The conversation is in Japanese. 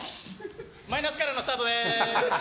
マイナスからのスタートです。